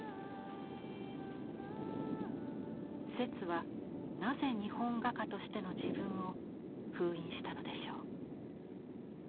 摂はなぜ日本画家としての自分を封印したのでしょう？